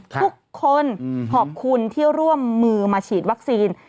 ขอบคุณขอบคุณที่ร่วมมือมาฉีดวัคซีน